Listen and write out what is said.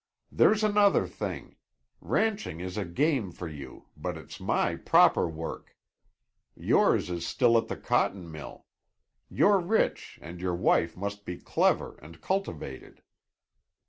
"There's another thing; ranching is a game for you, but it's my proper work. Yours is at the cotton mill. You're rich and your wife must be clever and cultivated."